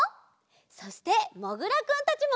そしてもぐらくんたちも。